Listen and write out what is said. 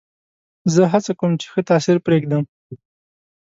زه هڅه کوم، چي ښه تاثیر پرېږدم.